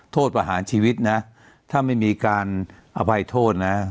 โทษประหารชีวิตนะถ้าไม่มีการอภัยโทษนะ